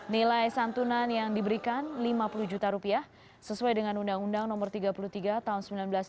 nilai santunan yang diberikan lima puluh juta rupiah sesuai dengan undang undang no tiga puluh tiga tahun seribu sembilan ratus sembilan puluh